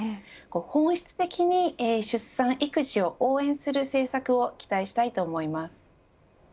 本質的に出産育児を応援する政策を期待したいと思います。